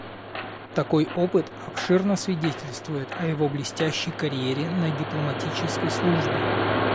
Такой опыт обширно свидетельствует о его блестящей карьере на дипломатической службе.